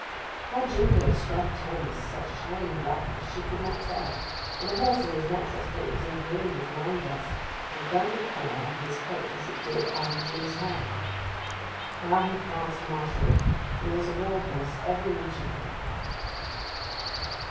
How Jim could have scrubbed Tony to such shining blackness she could not tell, for the horse in his natural state was ingrained with lime dust, that burnt the colour out of his coat as it did out of Jim's hair. Now he pranced martially, and was a war horse every inch of him.